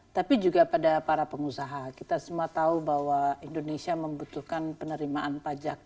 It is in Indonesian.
tapi juga pada para pengusaha kita semua tahu bahwa indonesia membutuhkan penerimaan pajak